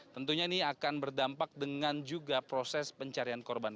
tentunya ini akan berdampak dengan juga proses pencarian korban